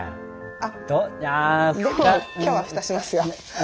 あでも今日は蓋しますよ。